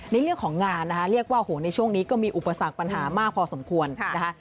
ในเรื่องของงานนะคะเรียกว่าโหในช่วงนี้ก็มีอุปสรรคปัญหามากพอสมควรนะคะ